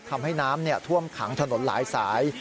ทำให้น้ำท่วมขังถนนหลายสาย